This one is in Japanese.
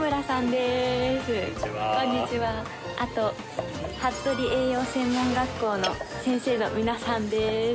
でーすこんにちはあと服部栄養専門学校の先生の皆さんです